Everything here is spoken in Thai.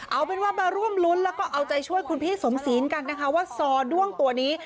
เอาเป็นว่ามาร่วมรุ้นแล้วก็เอาใจช่วยคุณพี่สมศีลกันนะคะว่าซอด้วงตัวนี้